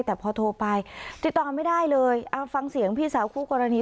แต่พอโทรไปติดต่อไม่ได้เลยเอาฟังเสียงพี่สาวคู่กรณี